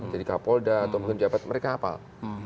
jadi kapolda atau pejabat mereka apal